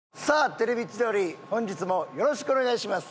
『テレビ千鳥』本日もよろしくお願いします。